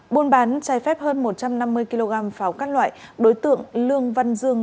buôn bán trái phép hơn một trăm năm mươi kg pháo các loại đối tượng lương văn dương